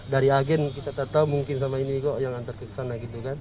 dari agen kita tetap mungkin sama ini kok yang antar ke sana gitu kan